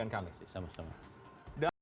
terima kasih sudah bergabung bersama dengan kami